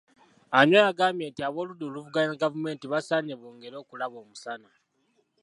Anywar agambye nti abooludda oluvuganya gavumenti basaanye bongere okulaba omusana.